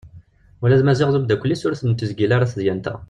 Ula d Maziɣ d umddakel-is ur ten-tezgil ara tedyant-a.